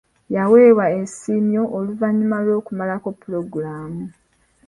Yaweebwa ensiimyo oluvannyuma lw'okumalako pulogulaamu.